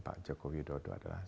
pak jokowi dodo adalah